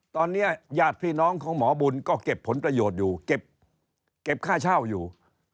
ตอนนี้ญาติพี่น้องของหมอบุญก็เก็บผลประโยชน์อยู่เก็บค่าเช่าอยู่